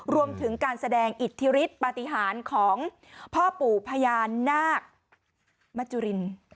รวมถึงการแสดงอิทธิฤทธิปฏิหารของพ่อปู่พญานาคมจุริน